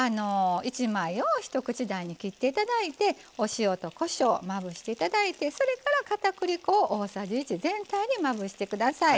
１枚を一口大に切っていただいてお塩とこしょうまぶしていただいてそれからかたくり粉を大さじ１全体にまぶしてください。